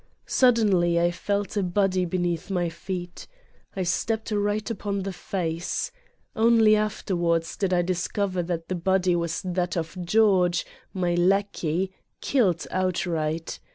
Suddenly I felt a body beneath my feet. I stepped right upon the face. Only afterwards did I dis cover that the body was that of George, my lackey, killed outright.